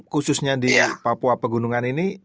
khususnya di papua pegunungan ini